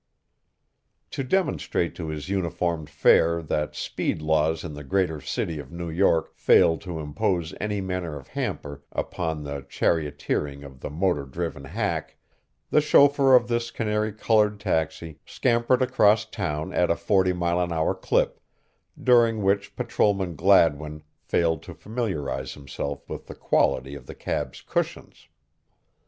To demonstrate to his uniformed fare that speed laws in the greater city of New York fail to impose any manner of hamper upon the charioteering of the motor driven hack, the chauffeur of this canary colored taxi scampered across town at a forty mile an hour clip, during which Patrolman Gladwin failed to familiarize himself with the quality of the cab's cushions.